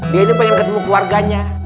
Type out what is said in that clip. dia ini pengen ketemu keluarganya